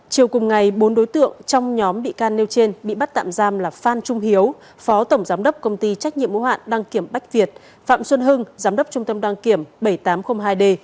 chiều cùng ngày bốn đối tượng trong nhóm bị can nêu trên bị bắt tạm giam là phan trung hiếu phó tổng giám đốc công ty trách nhiệm mô hạn đăng kiểm bách việt phạm xuân hưng giám đốc trung tâm đăng kiểm bảy nghìn tám trăm linh hai d